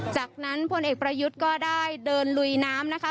จากนั้นพลเอกประยุทธ์ก็ได้เดินลุยน้ำนะคะ